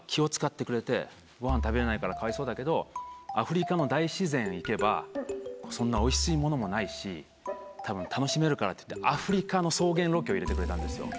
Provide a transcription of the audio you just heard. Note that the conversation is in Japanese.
「ごはん食べれないからかわいそうだけどアフリカの大自然行けばそんなおいしいものもないしたぶん楽しめるから」っていってアフリカの草原ロケを入れてくれたんですよ